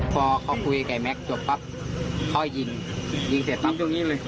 พอเขาคุยกับแม็กซ์จบปั๊บเขายิงยิงเสร็จปั๊บช่วงนี้เลย